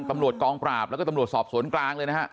ตำรวจกองปราบแล้วก็ตำรวจสอบสวนกลางเลยนะฮะ